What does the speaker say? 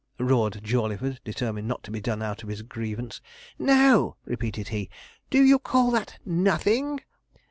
roared Jawleyford, determined not to be done out of his grievance. 'No!' repeated he; 'do you call that nothing?'